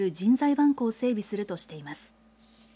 バンクを整備するとしています。